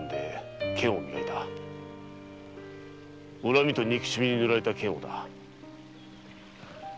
恨みと憎しみに塗れた剣をだ。